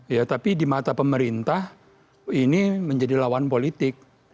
ya tapi di mata pemerintah ini menjadi lawan politik